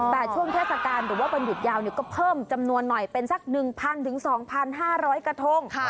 แต่ช่วงเทศกาลหรือว่าวันหยุดยาวก็เพิ่มจำนวนหน่อยเป็นสัก๑๐๐๒๕๐๐กระทง